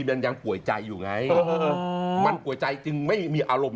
ถ้าทายนี้แล้วมันไม่ตรงตามดวง